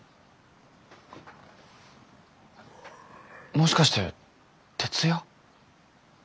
もしかして徹夜？